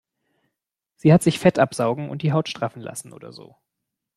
Sie hat sich Fett absaugen und die Haut straffen lassen oder so.